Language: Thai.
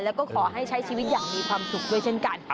แล้วก็ขอให้ใช้ชีวิตอย่างมีความสุขด้วยเช่นกัน